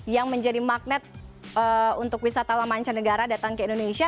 yang menjadi magnet untuk wisata wamanca negara datang ke indonesia